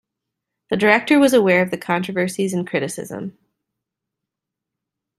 The director was aware of the controversies and criticism.